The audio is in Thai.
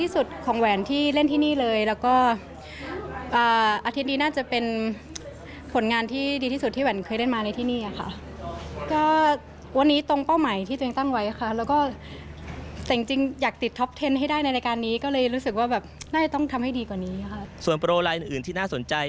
ส่วนโปรลายอื่นที่น่าสนใจ